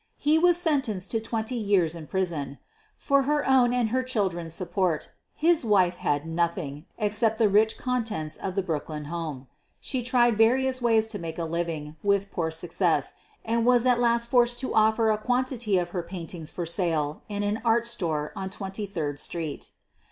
He was sentenced to, twenty years in prison. For her own and her chil dren's support his wife had nothing except the rich contents of the Brooklyn home. She tried various ways of making a living, with poor success, and was at last forced to offer a quantity of her paintings for sale in an art store on Twenty third Street.